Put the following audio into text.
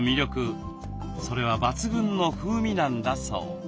それは抜群の風味なんだそう。